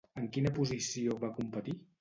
En quina posició va competir?